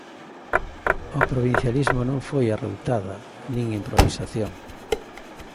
O provincialismo non foi arroutada, nin improvisación.